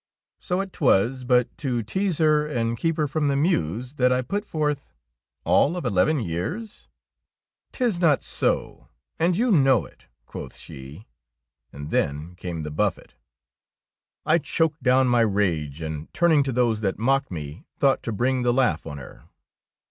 So 'twas but to tease her and 5 DEEDS OF DAEING keep her from the mews that I put forth, —" All of eleven years ? "Tis not so, and you know it," quoth she, and then came the buffet. I choked down my rage, and turning to those that mocked me, thought to bring the laugh on her.